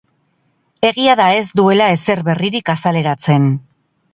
Egia da ez duela ezer berririk azaleratzen.